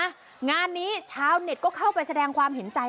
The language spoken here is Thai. งานนี้ชาวเน็ตก็เข้าไปแสดงความเห็นใจ